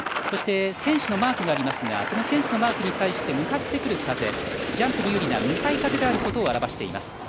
そして選手のマークがありますが選手のマークに対して向かってくる風ジャンプに有利な向かい風であることを表しています。